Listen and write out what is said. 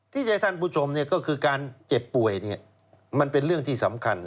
ที่จะให้ท่านผู้ชมก็คือการเจ็บป่วยมันเป็นเรื่องที่สำคัญ